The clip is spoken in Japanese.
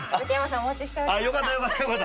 お待ちしておりました。